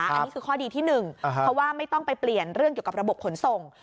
อันนี้คือข้อดีที่๑เพราะว่าไม่ต้องไปเปลี่ยนเรื่องเกี่ยวกับระบบขนส่ง